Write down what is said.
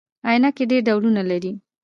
عینکي ډیر ډولونه لري